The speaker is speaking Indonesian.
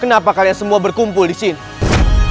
kenapa kalian semua berkumpul disini